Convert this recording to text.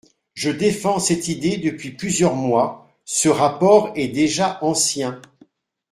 Je défends cette idée depuis plusieurs mois : ce rapport est déjà ancien.